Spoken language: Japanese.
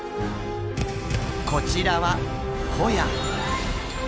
こちらはホヤ。